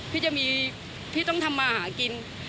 พี่จะมีพี่ต้องทำมาหากิน